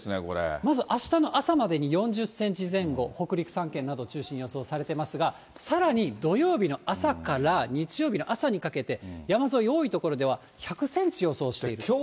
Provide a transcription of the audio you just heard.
まず、あしたの朝までに４０センチ前後、北陸３県などを中心に予想されてますが、さらに土曜日の朝から日曜日の朝にかけて、山沿い、多い所では１００センチ予想している。